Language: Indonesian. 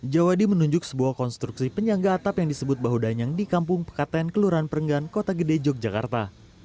jawa di menunjuk sebuah konstruksi penyangga atap yang disebut bahu danyang di kampung pekaten kelurahan perenggan kota gede yogyakarta